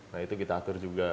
nah itu kita atur juga